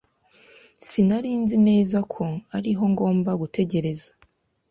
Sinari nzi neza ko ariho ngomba gutegereza.